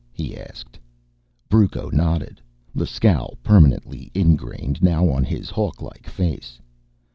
he asked. Brucco nodded, the scowl permanently ingrained now on his hawklike face.